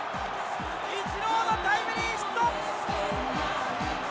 イチローのタイムリーヒット！